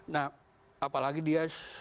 nah apalagi dia